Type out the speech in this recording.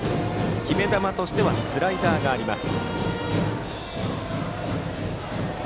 決め球としてはスライダーがあります。